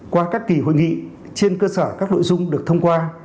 qua các kỳ hội nghị trên cơ sở các nội dung được thông qua